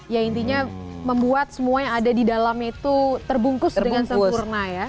ya intinya membuat semua yang ada di dalamnya itu terbungkus dengan sempurna ya